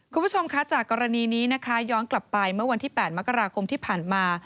คุณผู้ชมคะจากกรณีนี้นะคะย้อนกลับไปเมื่อวันที่๘มกราคมที่ผ่านมา